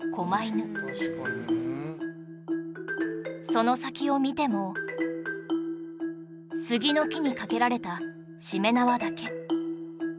その先を見ても杉の木にかけられたしめ縄だけ